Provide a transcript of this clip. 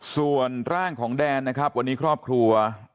ส่วนร่างของแดนนะครับวันนี้ครอบครัว